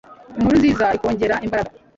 inkuru nziza ikongera imbaraga